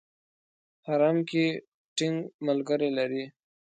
حرم کې ټینګ ملګري لري.